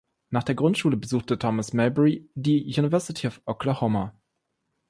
Nach der Grundschule besuchte Thomas Mabry die University of Oklahoma.